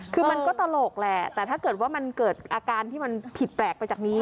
คือมันก็ตลกแหละแต่ถ้าเกิดว่ามันเกิดอาการที่มันผิดแปลกไปจากนี้